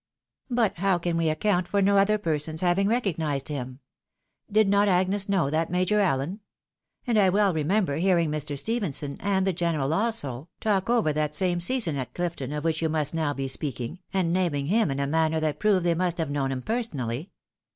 " But how can we account for no other persons having re cognised him ? Did not Agnes know that Major Allen ? and I well remember hearing Mr. Stephenson, and the general also, talk over that same season at Clifton of which you must now be speaking, and naming him in a manner that proved they must have known him personally.